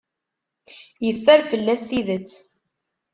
Yeffer fell-as tidet.